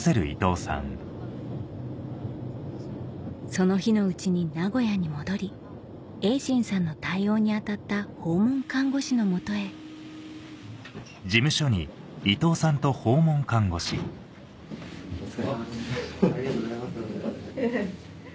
その日のうちに名古屋に戻り英伸さんの対応に当たった訪問看護師の元へお疲れさまですありがとうございます。